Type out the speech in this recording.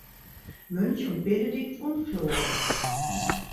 Mönch und Benedikt und Florian.